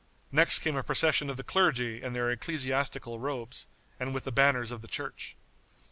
Next came a procession of the clergy in their ecclesiastical robes, and with the banners of the church.